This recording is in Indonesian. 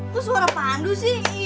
kok suara pandu sih